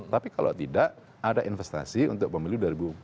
tapi kalau tidak ada investasi untuk pemilu dua ribu dua puluh empat